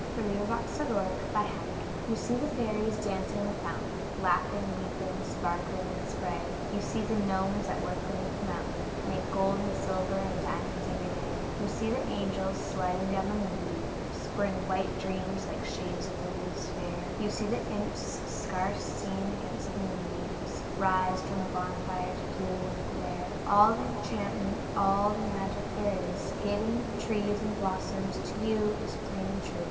FOR DOLLY WHO DOES NOT LEARN HER LESSONS YOU see the fairies dancing in the fountain, Laughing, leaping, sparkling with the spray; You see the gnomes, at work beneath the mountain, Make gold and silver and diamonds every day; You see the angels, sliding down the moonbeams, Bring white dreams like sheaves of lilies fair; You see the imps, scarce seen against the moonbeams, Rise from the bonfire's blue and liquid air. All the enchantment, all the magic there is Hid in trees and blossoms, to you is plain and true.